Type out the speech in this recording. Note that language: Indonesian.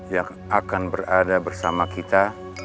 yang akan berada bersama kita